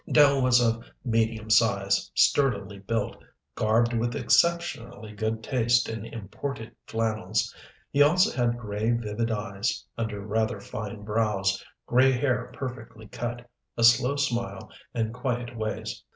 Dell was of medium size, sturdily built, garbed with exceptionally good taste in imported flannels. He also had gray, vivid eyes, under rather fine brows, gray hair perfectly cut, a slow smile and quiet ways.